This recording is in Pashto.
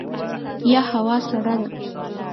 یه هوا سړه ده !